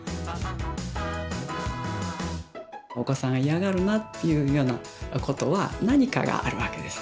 お子さん嫌がるなっていうようなことは何かがあるわけです。